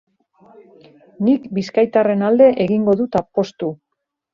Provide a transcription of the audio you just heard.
Nik bizkaitarraren alde egingo dut apostu.